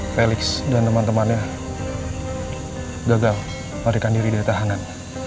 felix dan teman temannya gagal melarikan diri dari tahanan